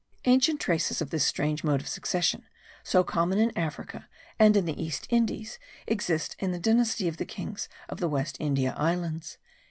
Ancient traces of this strange mode of succession, so common in Africa and in the East Indies, exist in the dynasty of the kings of the West India Islands.)